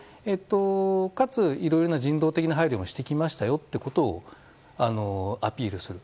かつ、いろいろな人道的な配慮もしてきましたよとアピールする。